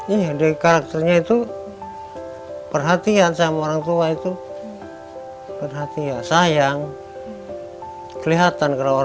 ia ada karakternya itu perhatian sama orang tua itu perhatian sayang kelihatan kalau